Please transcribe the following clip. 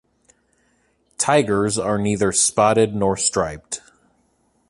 Tigers are neither spotted nor striped.